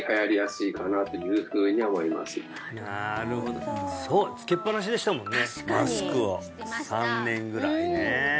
なるほどそうつけっぱなしでしたもんね